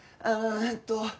ああえっと